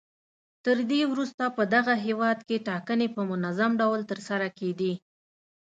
تر دې وروسته په دغه هېواد کې ټاکنې په منظم ډول ترسره کېدې.